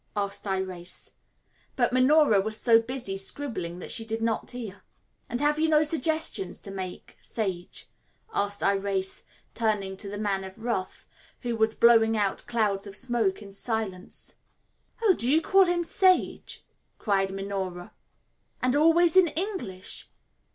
asked Irais. But Minora was so busy scribbling that she did not hear. "And have you no suggestions to make, Sage?" asked Irais, turning to the Man of Wrath, who was blowing out clouds of smoke in silence. "Oh, do you call him Sage?" cried Minora; "and always in English?"